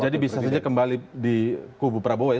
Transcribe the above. jadi bisa saja kembali di kubu prabowo ya